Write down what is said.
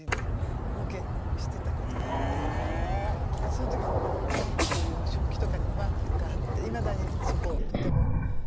その時もそういう食器とかにもマークとかあっていまだにそことてもご縁があって。